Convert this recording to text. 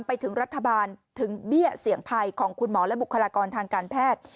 ไปถึงรัฐบาลถึงเบี้ยเสี่ยงภัยของคุณหมอและบุคลากรทางการแพทย์